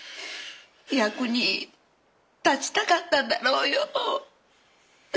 役に立ちたかったんだろうよ。